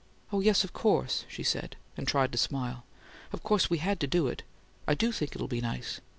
"Oh, yes, of course," she said, and tried to smile. "Of course we had to do it I do think it'll be nice.